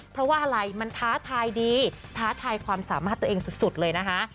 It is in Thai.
เพราะว่าอะไรมันท้าทายดีท้าทายความสามารถตัวเองสุดเลยนะคะ